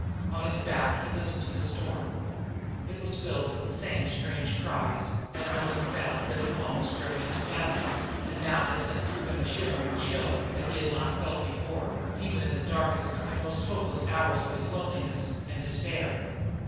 On his back, he listened to the storm. It was filled with the same strange cries and moaning sound that had almost driven him to madness, and now they sent through him a shivering chill that he had not felt before, even in the darkest and most hopeless hours of his loneliness and despair.